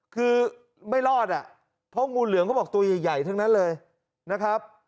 คือไม่รอดอ่ะเพราะงูเหลือมเขาบอกตัวใหญ่ทั้งนั้นเลยนะครับ